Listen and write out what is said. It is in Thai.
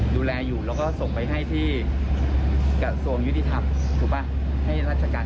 ดูแลอยู่แล้วก็ส่งไปให้ที่กระทรวงยุติธรรมถูกป่ะให้ราชการ